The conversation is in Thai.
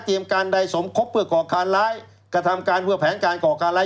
การใดสมคบเพื่อก่อการร้ายกระทำการเพื่อแผนการก่อการร้าย